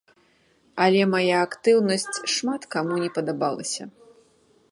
Але мая актыўнасць шмат каму не падабалася.